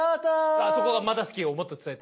あそこが「まだ好き」をもっと伝えて。